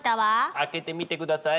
開けてみてください。